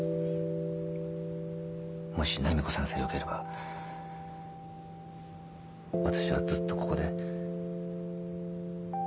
もし波子さんさえよければ私はずっとここで。